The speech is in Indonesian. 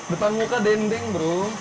depan muka dendeng bro